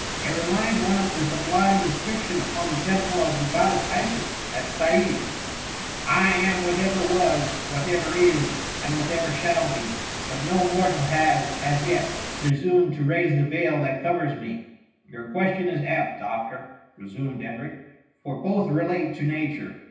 They remind one of the sublime inscription upon the temple of the goddess Isis^ at Sais :—* I am whatever was, whatever is, and whatever shall be; but no mortal has, as yet, presumed to raise the veil that covers me.' " 192 THE MUMMY. ^* Your quotation is apt, doctor," resumed Edric, *^for both relate to Nature.